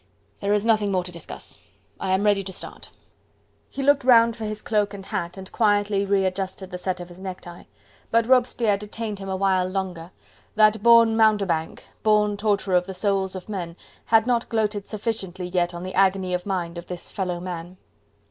there is nothing more to discuss. I am ready to start." He looked round for his cloak and hat, and quietly readjusted the set of his neck tie. But Robespierre detained him a while longer: that born mountebank, born torturer of the souls of men, had not gloated sufficiently yet on the agony of mind of this fellow man.